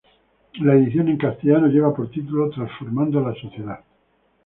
La edición en castellano lleva por título “"Transformando la sociedad.